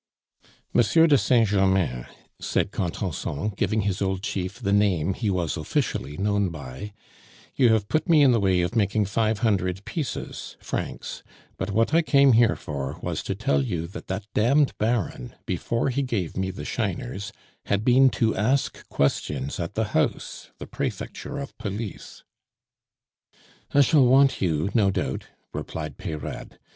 "Monsieur de Saint Germain," said Contenson, giving his old chief the name he was officially known by, "you have put me in the way of making five hundred pieces (francs); but what I came here for was to tell you that that damned Baron, before he gave me the shiners, had been to ask questions at the house (the Prefecture of Police)." "I shall want you, no doubt," replied Peyrade.